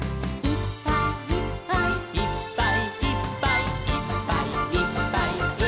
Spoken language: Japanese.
「いっぱいいっぱいいっぱいいっぱい」